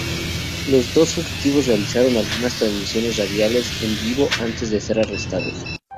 Los dos fugitivos realizaron algunas transmisiones radiales en vivo antes de ser arrestados.